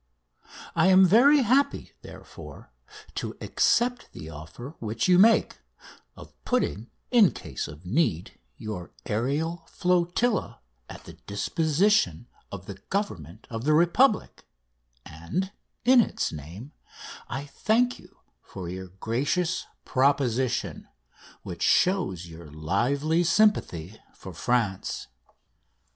I am very happy, therefore, to accept the offer which you make, of putting, in case of need, your aerial flotilla at the disposition of the Government of the Republic, and, in its name, I thank you for your gracious proposition, which shows your lively sympathy for France.